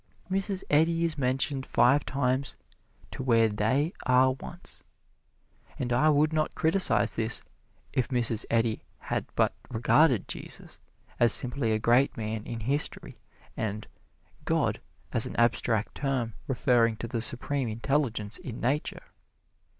Mrs. Eddy is mentioned five times to where they are once. And I would not criticize this if Mrs. Eddy had but regarded Jesus as simply a great man in history and "God" as an abstract term referring to the Supreme Intelligence in Nature.